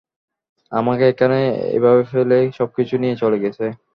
আমাকে এখানে এভাবে ফেলে, সবকিছু নিয়ে চলে গেছে।